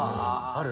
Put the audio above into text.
ある？